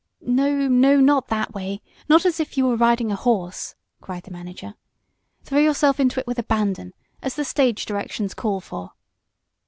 "No no, not that way not as if you were riding a horse!" cried the manager. "Throw yourself into it with abandon, as the stage directions call for."